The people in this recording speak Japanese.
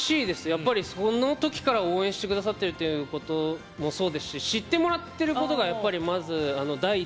やっぱりその時から応援して下さってるっていうこともそうですし知ってもらってることがやっぱりまず第一